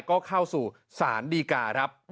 ก็เข้าสู่ศาลดีกา